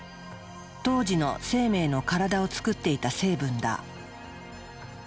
当時の生命の体を作っていた成分だ。